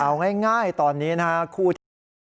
เอาง่ายตอนนี้นะฮะคู่ที่